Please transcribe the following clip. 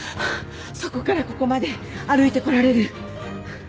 そこからここまで歩いてこられる？